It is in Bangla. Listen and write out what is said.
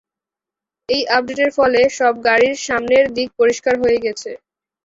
এই আপডেটের ফলে সব গাড়ির সামনের দিক পরিষ্কার হয়ে গেছে।